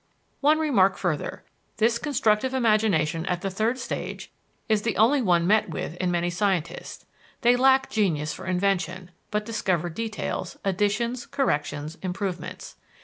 One remark further: This constructive imagination at the third stage is the only one met with in many scientists. They lack genius for invention, but discover details, additions, corrections, improvements.